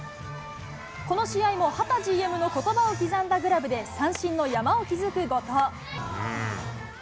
この試合も秦ＧＭのことばを刻んだグラブで、三振の山を築く後藤。